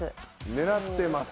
狙ってます？